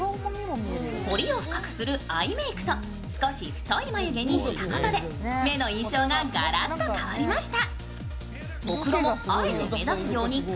彫りを深くするアイメークと少し太い眉を入れたことで目の印象ががらっと変わりました。